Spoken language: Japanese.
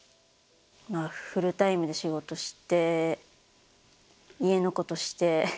フルタイムで仕事して家のことして。